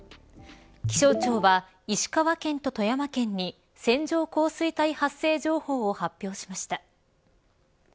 気象庁は石川県と富山県に線状降水帯発生情報を発表しました。